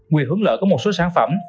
quyền hướng lợi có một số sản phẩm